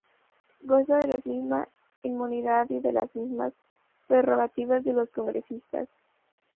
Goza de la misma inmunidad y de las mismas prerrogativas de los congresistas.